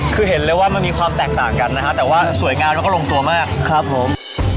คือเห็นเลยว่ามันมีความแตกต่างกันแต่ว่าสวยงานมันก็ลงตัวมาก